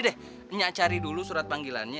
deh cari dulu surat panggilannya